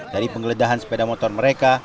dari penggeledahan sepeda motor mereka